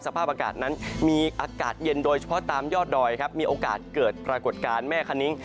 สภาพอากาศนั้นมีอากาศเย็นโดยเฉพาะตามยอดดอยครับมีโอกาสเกิดปรากฏการณ์แม่คณิ้ง